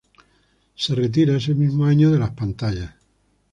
Se retira ese mismo año de las pantallas.